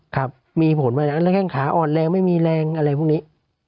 ครับมีผลไหมแล้วแข้งขาอ่อนแรงไม่มีแรงอะไรพวกนี้